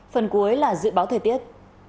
phần cuối là dự báo thời tiết